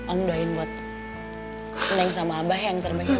om doain buat neng sama abah yang terbaik om ya